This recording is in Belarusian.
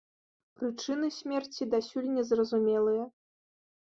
Прычыны смерці дасюль не зразумелыя.